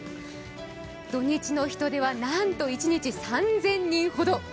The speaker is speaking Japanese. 土・日の人出はなんと一日３０００人ほど。